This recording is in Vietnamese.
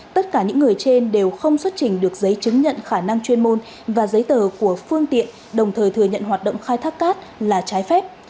tất cả những người trên đều không xuất trình được giấy chứng nhận khả năng chuyên môn và giấy tờ của phương tiện đồng thời thừa nhận hoạt động khai thác cát là trái phép